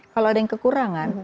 kalau ada yang kekurangan